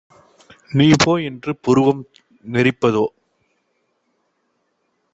நீபோ! என்று புருவம் நெறிப்பதோ?"